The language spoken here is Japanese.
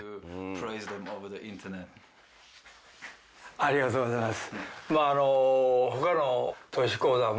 ありがとうございます。